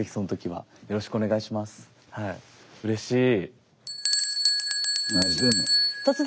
⁉はい。